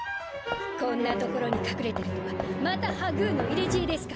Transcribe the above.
こんなところに隠れてるとはまたハグーの入れ知恵ですか。